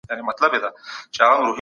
ځوانان باید د مشرانو سره ليدنه وکړي